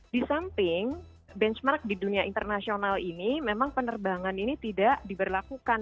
di samping benchmark di dunia internasional ini memang penerbangan ini tidak diberlakukan